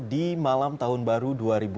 di malam tahun baru dua ribu delapan belas